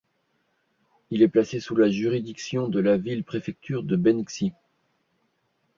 Il est placé sous la juridiction de la ville-préfecture de Benxi.